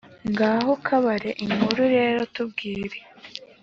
ngaho kabare inkuru rero, tubwire